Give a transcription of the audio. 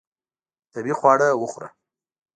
طبیعي خواړه وخوره.